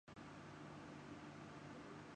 فنون لطیفہ پسند نہیں کرتا